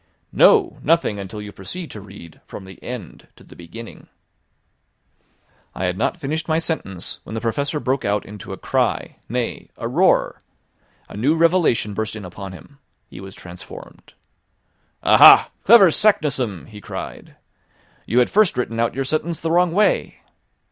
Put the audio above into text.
"No, nothing until you proceed to read from the end to the beginning." I had not finished my sentence when the Professor broke out into a cry, nay, a roar. A new revelation burst in upon him. He was transformed! "Aha, clever Saknussemm!" he cried. "You had first written out your sentence the wrong way."